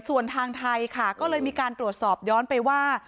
ส่วนทางไทยค่ะก็เลยมีการตรวจสอบย้อนไปว่า